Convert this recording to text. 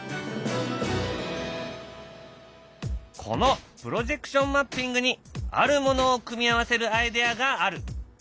このプロジェクションマッピングにあるものを組み合わせるアイデアがある。